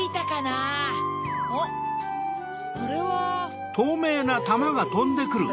あっあれは。